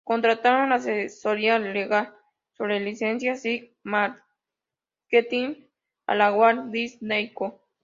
Contrataron la asesoría legal sobre licencias y márketing a la Walt Disney Co.